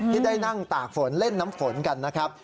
ที่ได้นั่งตากฝนเล่นน้ำฝนกันนะครับ